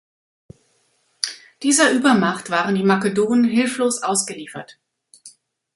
Dieser Übermacht waren die Makedonen hilflos ausgeliefert.